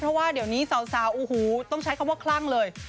เพราะว่าเดี๋ยวนี้สาวโอ้โหต้องใช้คำว่าคลั่งเลย